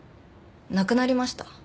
亡くなりました。